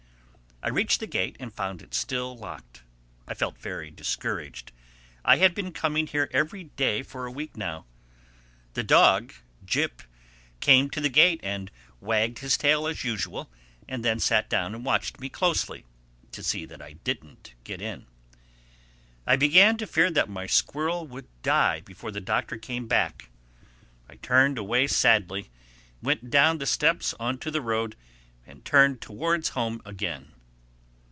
I reached the gate and found it still locked. I felt very discouraged. I had been coming here every day for a week now. The dog, Jip, came to the gate and wagged his tail as usual, and then sat down and watched me closely to see that I didn't get in. I began to fear that my squirrel would die before the Doctor came back. I turned away sadly, went down the steps on to the road and turned towards home again.